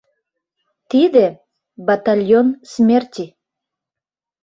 Тиде — «батальон смерти».